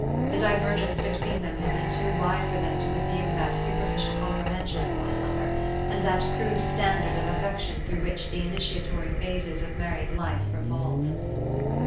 The divergence between them had been too wide for them to resume that super ficial comprehension of one another, and that crude standard of affection through which the initiatory phases of married life revolve.